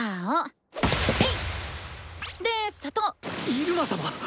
イルマ様ッ